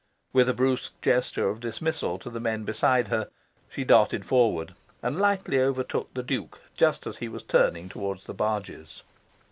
With a brusque gesture of dismissal to the men beside her, she darted forward, and lightly overtook the Duke just as he was turning towards the barges.